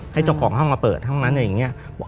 ให้เจ้าของห้องมาเปิดห้องนั้นเนี่ย